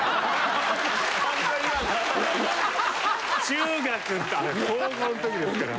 中学高校の時ですから。